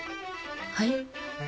はい？